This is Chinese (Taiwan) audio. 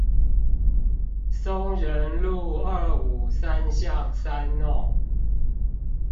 松仁路二五三巷三弄